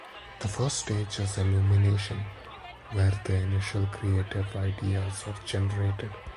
The first stage is illumination, where the initial creative ideas are generated.